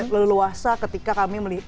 leluasa ketika kami meliput